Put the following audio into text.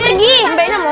mau mbe nya pergi